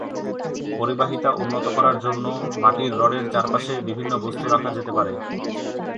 পরিবাহিতা উন্নত করার জন্য মাটির রডের চারপাশে বিভিন্ন বস্তু রাখা যেতে পারে।